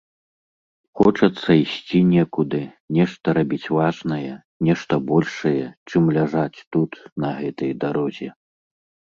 Хочацца ісці некуды, нешта рабіць важнае, нешта большае, чым ляжаць тут, на гэтай дарозе.